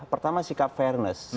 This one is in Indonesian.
pertama sikap fairness